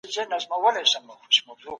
د میندو روغتیا ته باید پاملرنه وشي.